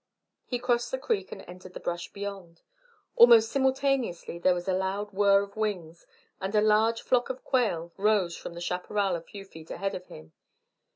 He crossed the creek and entered the brush beyond. Almost simultaneously there was a loud whirr of wings, and a large flock of quail rose from the chaparral a few feet ahead of him.